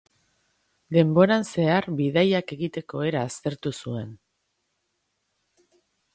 Denboran zehar bidaiak egiteko era aztertu zuen.